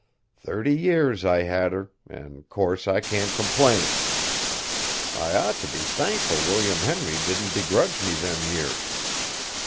Thirty years I had her, an' course I can't complain. I ought t' be thankful William Henry didn't begrudge me them years.